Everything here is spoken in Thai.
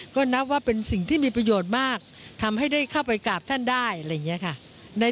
ก็นับว่าเป็นสิ่งที่มีประโยชน์มากทำให้ได้เข้าไปกราบท่านได้